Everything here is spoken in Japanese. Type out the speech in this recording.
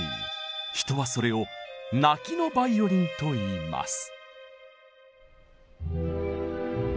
人はそれを「泣きのバイオリン」と言います。